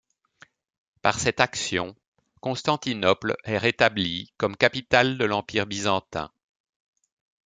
Par cette action, Constantinople est rétablie comme capitale de l'empire byzantin.